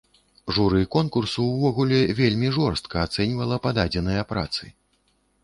Журы конкурсу ўвогуле вельмі жорстка ацэньвала пададзеныя працы.